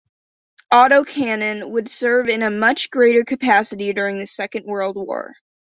Autocannon would serve in a much greater capacity during the Second World War.